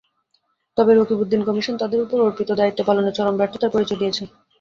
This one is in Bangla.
তবে রকিবউদ্দীন কমিশন তাদের ওপর অর্পিত দায়িত্ব পালনে চরম ব্যর্থতার পরিচয় দিয়েছে।